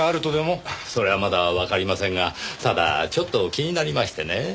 それはまだわかりませんがただちょっと気になりましてねぇ。